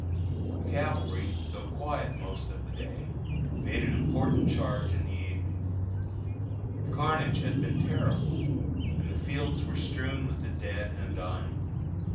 The cavalry, though quiet most of the day, made an important charge in the evening. The carnage had been terrible, and the fields were strewn with the dead and dying.